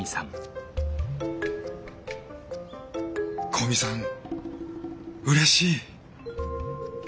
古見さんうれしい。